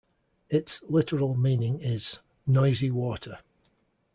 Its literal meaning is 'noisy water'.